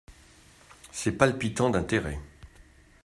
C'est palpitant d'intérêt.